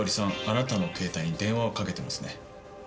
あなたの携帯に電話をかけてますね？